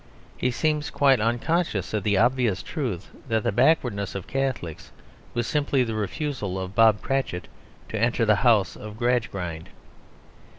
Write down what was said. He seems quite unconscious of the obvious truth, that the backwardness of Catholics was simply the refusal of Bob Cratchit to enter the house of Gradgrind.